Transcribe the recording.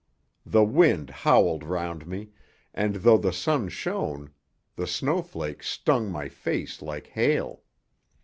The wind howled round me, and though the sun shone, the snowflakes stung my face like hail.